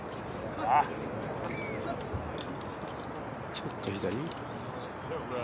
ちょっと左？